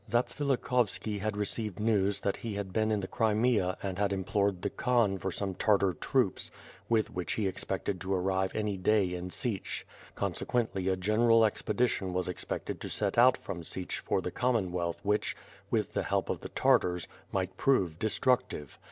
Zatsvilikhovski had received news that he had been in the Crimea and had implored the Khan for some Tartar troops, with w^hich he expected to arrive any day in Sich. Consequently a general expedition was expected to set out from Sich for the Commonwealth which, with the help of the Tartars, might prove destructive.